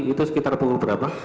itu sekitar pukul berapa